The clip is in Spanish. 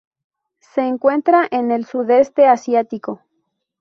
Se encuentra en el Sudoeste Asiático.